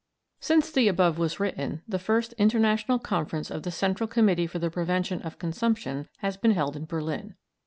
Since the above was written, the first international conference of the Central Committee for the Prevention of Consumption has been held in Berlin.